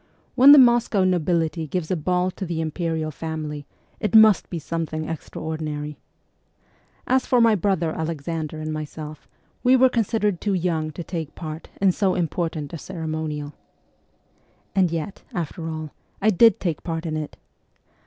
When the Moscow nobility gives a ball to the imperial family, it must be something extraordinary. As for my brother Alexander and myself, we were considered too young to take part in so important a ceremonial. And yet, after all, I did take part in it.